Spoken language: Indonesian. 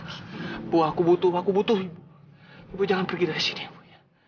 ibu jangan pergi dari sini ibu ya